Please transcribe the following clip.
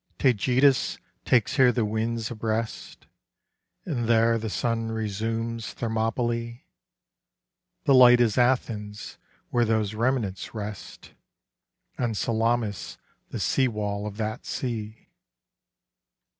Taygetus takes here the winds abreast, And there the sun resumes Thermopylæ; The light is Athens where those remnants rest, And Salamis the sea wall of that sea.